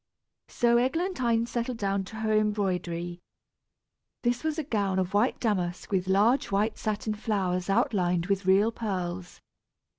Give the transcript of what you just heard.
So Eglantine settled down to her embroidery. This was a gown of white damask with large white satin flowers outlined with real pearls.